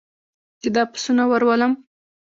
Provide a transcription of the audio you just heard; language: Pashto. چې دا پسونه ور ولم.